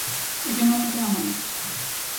_É que non me queda máis.